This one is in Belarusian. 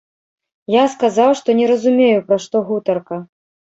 Я сказаў, што не разумею, пра што гутарка.